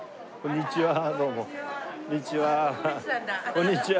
こんにちは。